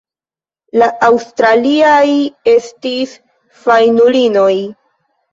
La aŭstraliaj estis fajnulinoj.